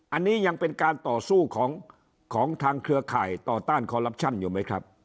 อันนี้ยังเป็นการต่อสู้ของทางเครือข่ายต่อต้านคอลลับชั่นอยู่ไหมครับ